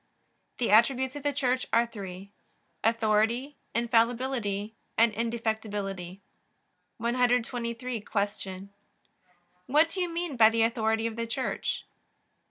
The attributes of the Church are three: authority infallibility, and indefectibility. 123. Q. What do you mean by the authority of the Church?